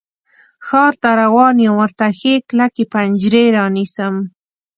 ښار ته روان یم، ورته ښې کلکې پنجرې رانیسم